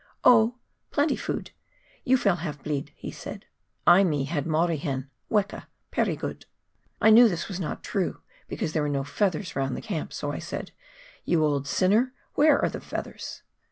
" Oh, plenty food — you fell' have blead," he replied. " I me had Maori hen (weka) pery good." I knew this was not true, because there were no feathers round the camp, so I said, " You old sinner, where are the feathers?"